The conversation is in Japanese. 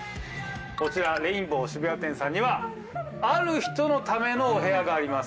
こちら「レインボー」渋谷店さんにはある人のためのお部屋があります